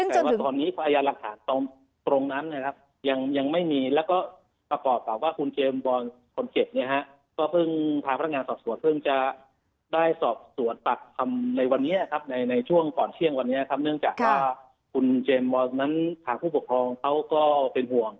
แต่ว่าตอนนี้พยานหลักฐานตรงนั้นนะครับยังไม่มีแล้วก็ประกอบกับว่าคุณเจมส์บอลคนเจ็บเนี่ยฮะก็เพิ่งทางพนักงานสอบสวนเพิ่งจะได้สอบสวนปากคำในวันนี้ครับในช่วงก่อนเที่ยงวันนี้ครับเนื่องจากว่าคุณเจมส์บอลนั้นทางผู้ปกครองเขาก็เป็นห่วง